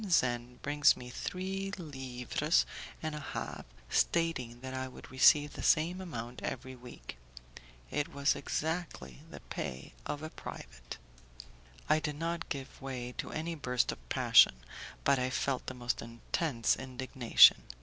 Zen brings me three livres and a half, stating that I would receive the same amount every week. It was exactly the pay of a private. I did not give way to any burst of passion, but I felt the most intense indignation.